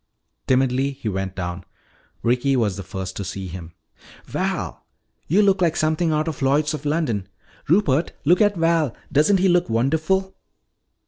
Timidly he went down. Ricky was the first to see him. "Val! You look like something out of Lloyds of London. Rupert, look at Val. Doesn't he look wonderful?"